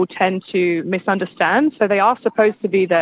yang saya pikir banyak orang terlalu mengelak